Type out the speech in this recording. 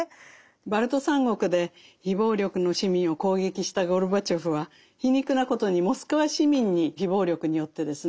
バルト三国で非暴力の市民を攻撃したゴルバチョフは皮肉なことにモスクワ市民に非暴力によってですね